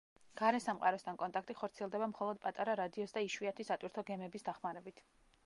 გარე სამყაროსთან კონტაქტი ხორციელდება მხოლოდ პატარა რადიოს და იშვიათი სატვირთო გემების დახმარებით.